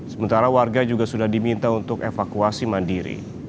sementara warga juga sudah diminta untuk evakuasi mandiri